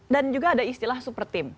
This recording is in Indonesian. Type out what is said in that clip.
dan juga ada istilah super team